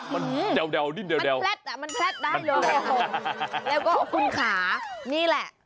มันแวนิดเดียวแพลตอ่ะมันแพลตได้เลยแล้วก็คุณขานี่แหละ